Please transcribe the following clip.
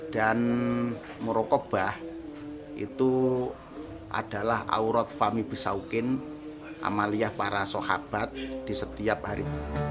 dan merokobah itu adalah aurat fami'i besawqin amaliah para sohabat di setiap hari